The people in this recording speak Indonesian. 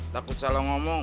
takut salah ngomong